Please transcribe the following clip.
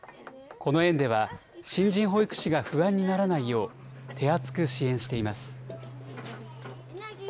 この園では、新人保育士が不安にならないよう、手厚く支援しています。